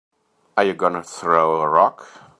Are you gonna throw a rock?